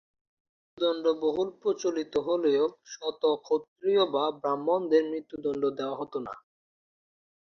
মৃত্যুদণ্ড বহুল প্রচলিত হলেও, সত-ক্ষত্রিয় বা ব্রাহ্মণদের মৃত্যুদণ্ড দেওয়া হত না।